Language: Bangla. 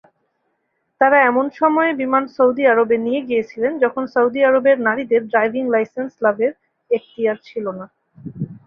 তারা এমন সময়ে বিমান সৌদি আরবে নিয়ে গিয়েছিলেন, যখন সৌদি আরবের নারীদের ড্রাইভিং লাইসেন্স লাভের এখতিয়ার ছিল না।